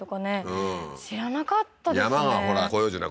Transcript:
うん知らなかったですね